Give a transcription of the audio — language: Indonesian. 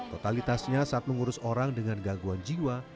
totalitasnya saat mengurus orang dengan gangguan jiwa